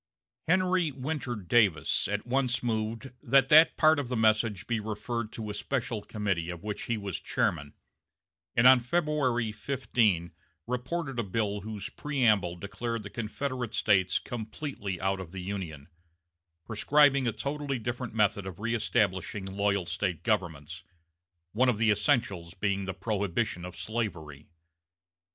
Henry Winter Davis at once moved that that part of the message be referred to a special committee of which he was chairman, and on February 15 reported a bill whose preamble declared the Confederate States completely out of the Union; prescribing a totally different method of reëstablishing loyal State governments, one of the essentials being the prohibition of slavery.